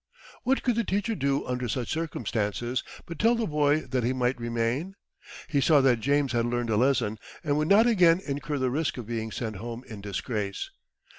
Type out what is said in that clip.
What could the teacher do under such circumstances but tell the boy that he might remain? He saw that James had learned a lesson, and would not again incur the risk of being sent home in disgrace.